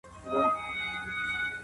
دانه دانه سومه له تاره وځم